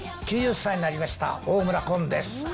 ９０歳になりました、大村崑です。